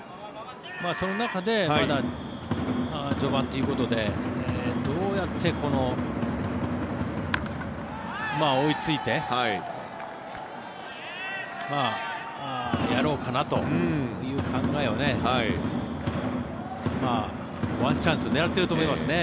その中でまだ序盤ということでどうやって追いついてやろうかなという考えをワンチャンス狙ってると思いますね。